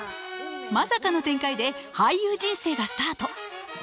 まさかの展開で俳優人生がスタート。